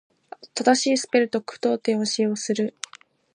正しいスペルと句読点を使用する。